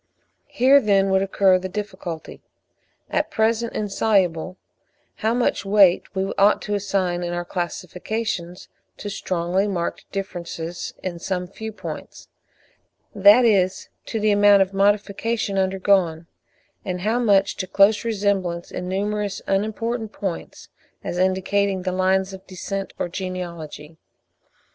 Here, then, would occur the difficulty, at present insoluble, how much weight we ought to assign in our classifications to strongly marked differences in some few points,—that is, to the amount of modification undergone; and how much to close resemblance in numerous unimportant points, as indicating the lines of descent or genealogy.